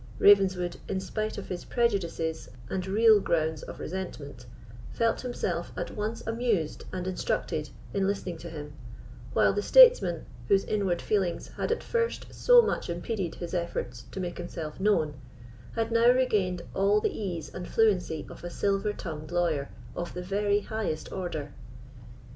Ravenswood, in spite of his prejudices and real grounds of resentment, felt himself at once amused and instructed in listening to him, while the statesman, whose inward feelings had at first so much impeded his efforts to make himself known, had now regained all the ease and fluency of a silver tongued lawyer of the very highest order.